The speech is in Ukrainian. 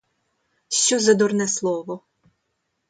Що за дурне слово?